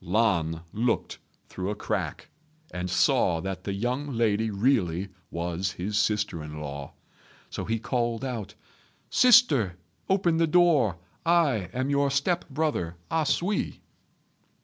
Lan looked through a crack, and saw that the young lady really was his sister in law; so he called out, "Sister, open the door. I am your step brother A sui."